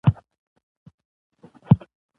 د افغانانو کورنی اړيکي تاریخي دي.